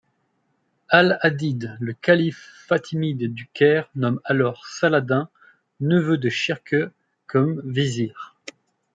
Al-‘Adîd, le calife fatimide du Caire, nomme alors Saladin, neveu de Shirkuh, comme vizir.